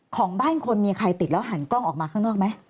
ของบ้านคนมีใครติดแล้วหันกล้องออกมาข้างนอกไหม